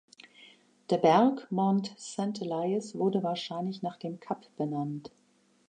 Der Berg Mount Saint Elias wurde wahrscheinlich nach dem Kap benannt.